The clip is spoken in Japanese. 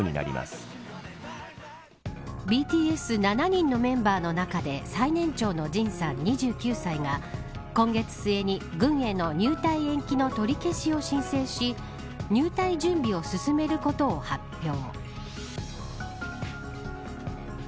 ＢＴＳ７人のメンバーの中で最年長のＪＩＮさん２９歳が今月末に、軍への入隊延期の取り消しを申請し入隊準備を進めることを発表。